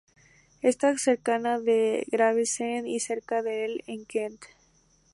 Está cercana de Gravesend y cerca del en Kent.